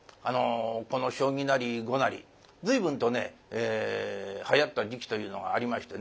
この将棋なり碁なり随分とねはやった時期というのがありましてね。